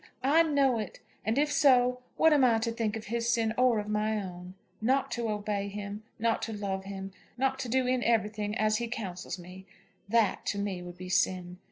I know it. And if so, what am I to think of his sin, or of my own? Not to obey him, not to love him, not to do in everything as he counsels me, that, to me, would be sin.